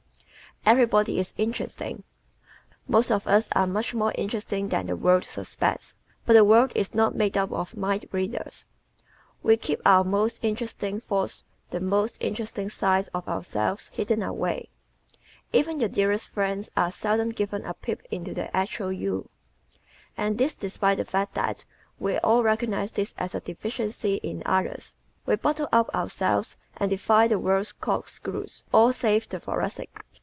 Everybody is Interesting ¶ Most of us are much more interesting than the world suspects. But the world is not made up of mind readers. We keep our most interesting thoughts and the most interesting side of ourselves hidden away. Even your dearest friends are seldom given a peep into the actual You. And this despite the fact that we all recognize this as a deficiency in others. We bottle up ourselves and defy the world's cork screws all save the Thoracic.